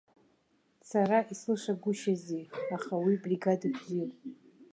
Сара исылшагәышьази, аха уи бригада бзиоуп.